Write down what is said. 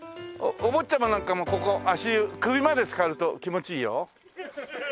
おぼっちゃまなんかもここ足湯首までつかると気持ちいいよ。